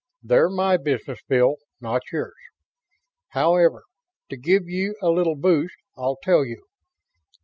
"They're my business, Bill, not yours. However, to give you a little boost, I'll tell you.